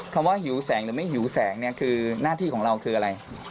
คำว่าหิวแสงหรือไม่หิวแสงน่าที่ของเราคืออะไร